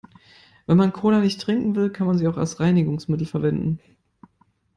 Wenn man Cola nicht trinken will, kann man sie auch als Reinigungsmittel verwenden.